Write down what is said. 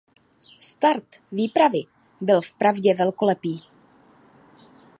Start výpravy byl v pravdě velkolepý.